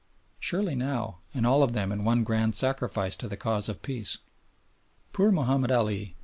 Surely now, and all of them in one grand sacrifice to the cause of peace! Poor Mahomed Ali!